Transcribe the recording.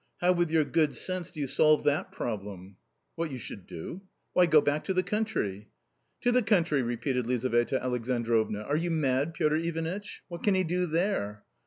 How with your good sense do you solve that problem ?"" What_y_ou should do ? why, go back. Jo the country." I / "To the country !" repeatecTXizaveta Alexandrovna; "are / you mad, Piotr ivanitch ? What can he do there